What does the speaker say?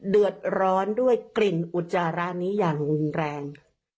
เดือดร้อนด้วยกลิ่นอุจจาระนี้อย่างรุนแรง